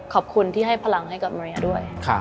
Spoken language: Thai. ขอบคุณที่ให้พลังให้กับมาเรียด้วย